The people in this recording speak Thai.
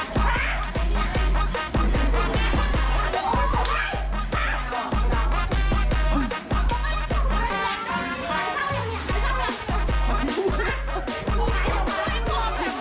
ก็แพ้ว่ะ